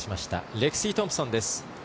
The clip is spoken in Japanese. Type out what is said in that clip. レクシー・トンプソンです。